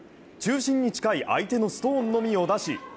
中心に近い相手のストーンのみを出し